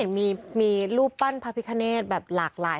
ดูเนี่ยมันเห็นมีรูปปั้นพระพิกเกณฑ์แบบหลากหลาย